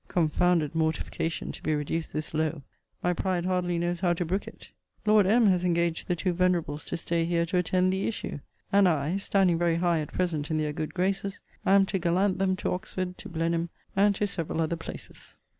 Confounded mortification to be reduced this low! My pride hardly knows how to brook it. Lord M. has engaged the two venerables to stay here to attend the issue: and I, standing very high at present in their good graces, am to gallant them to Oxford, to Blenheim, and to several other places.